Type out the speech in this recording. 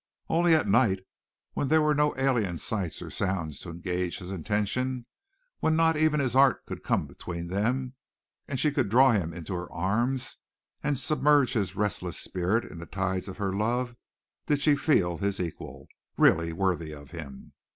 Only at night when there were no alien sights or sounds to engage his attention, when not even his art could come between them, and she could draw him into her arms and submerge his restless spirit in the tides of her love did she feel his equal really worthy of him.